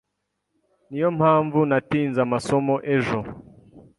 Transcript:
Niyo mpamvu natinze amasomo ejo.